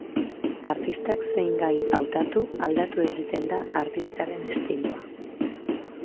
Artistak zein gai hautatu, aldatu egiten da artistaren estiloa.